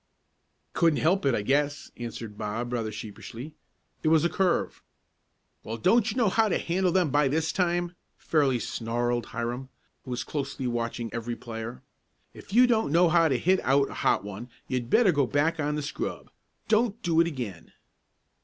"Couldn't help it, I guess," answered Bob rather sheepishly. "It was a curve." "Well, don't you know how to handle them by this time?" fairly snarled Hiram, who was closely watching every player. "If you don't know how to hit out a hot one you'd better go back on the scrub. Don't do it again."